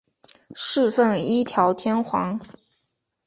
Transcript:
侍奉一条天皇。